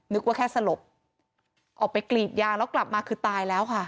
นึกว่าแค่สลบออกไปกรีดยางแล้วกลับมาคือตายแล้วค่ะ